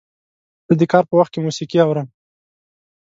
زه د کار په وخت کې موسیقي اورم.